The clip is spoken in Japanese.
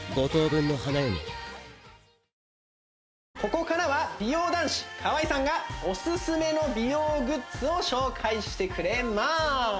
ここからは美容男子河井さんがオススメの美容グッズを紹介してくれます